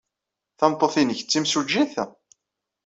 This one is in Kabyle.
Tameṭṭut-nnek d timsujjit?